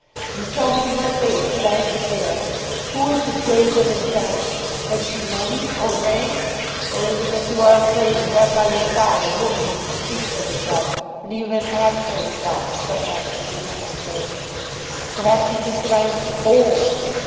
You tell me to my face that I am to bear it! Who is the jade that has done it? Has she money? or rank? Or is it that you are afraid to have by your side a woman who can speak for herself, and even act for herself if some action be necessary? Perhaps you think that I am old."